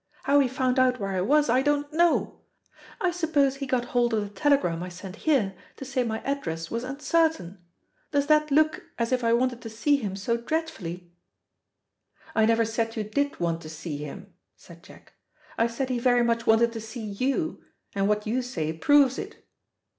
How he found out where I was I don't know. I suppose he got hold of the telegram I sent here to say my address was uncertain. Does that look as if I wanted to see him so dreadfully?" "I never said you did want to see him," said Jack. "I said he very much wanted to see you, and what you say proves it."